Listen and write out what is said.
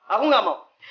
aku gak mau